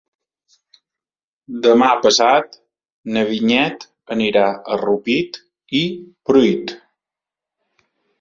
Demà passat na Vinyet anirà a Rupit i Pruit.